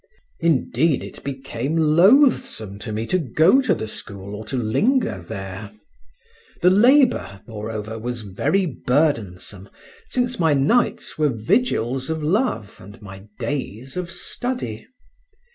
Indeed it became loathsome to me to go to the school or to linger there; the labour, moreover, was very burdensome, since my nights were vigils of love and my days of study.